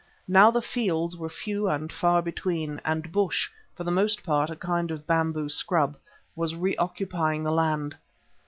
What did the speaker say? Now the fields were few and far between, and bush, for the most part a kind of bamboo scrub, was reoccupying the land.